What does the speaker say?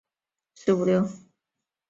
现任河南省人民政府秘书长。